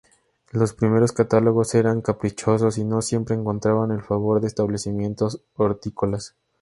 Los primeros catálogos eran caprichosos y no siempre encontraban el favor de establecimientos hortícolas.